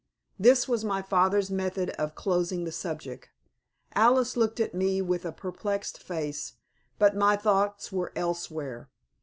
This was my father's method of closing the subject. Alice looked at me with perplexed face, but my thoughts were elsewhere.